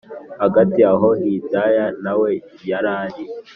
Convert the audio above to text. hagati aho hidaya nawe yarari